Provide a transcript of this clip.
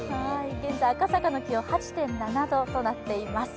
現在赤坂の気温、８．７度となっています。